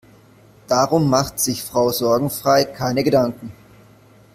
Darum macht sich Frau Sorgenfrei keine Gedanken.